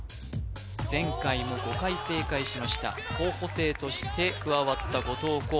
前回も５回正解しました候補生として加わった後藤弘